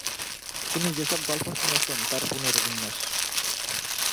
তিনি যেসব গল্প শুনেছেন তার পুনর্বিন্যাস।